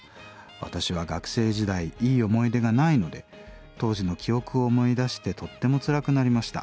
私は学生時代いい思い出がないので当時の記憶を思い出してとってもつらくなりました。